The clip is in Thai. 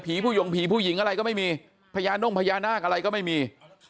ผู้หยงผีผู้หญิงอะไรก็ไม่มีพญาน่งพญานาคอะไรก็ไม่มี